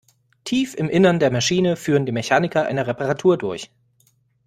Tief im Innern der Maschine führen die Mechaniker eine Reparatur durch.